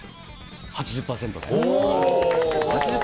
８０％で。